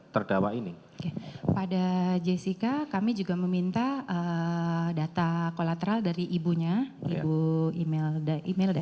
terdakwa ini pada jessica kami juga meminta data kolateral dari ibunya ibu email dan